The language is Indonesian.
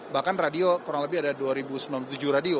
bahkan radio kurang lebih ada dua sembilan puluh tujuh radio